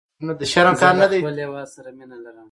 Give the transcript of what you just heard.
زه له خپل هیواد سره مینه لرم.